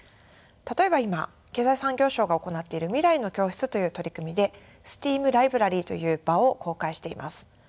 例えば今経済産業省が行っている未来の教室という取り組みでＳＴＥＡＭライブラリーという場を公開しています。